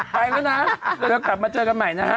ไปละนะแล้วก็กลับมาเจอกันใหม่นะฮะ